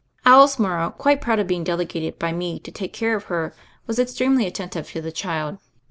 Alice Morrow, quite proud of being dele gated by me to take care of her, was extremely attentive to the child.